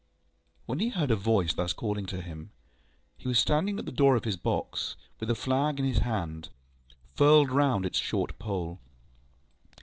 ŌĆØ When he heard a voice thus calling to him, he was standing at the door of his box, with a flag in his hand, furled round its short pole.